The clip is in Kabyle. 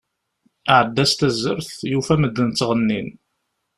Iεedda s tazzert, yufa medden ttɣennin.